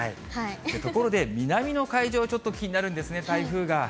ところで南の海上、ちょっと気になるんですね、台風が。